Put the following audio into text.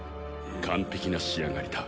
完璧な仕上がりだ。